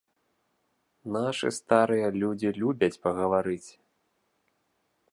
Нашы старыя людзі любяць пагаварыць!